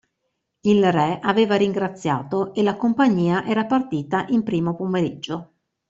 Il re aveva ringraziato e la compagnia era partita in primo pomeriggio.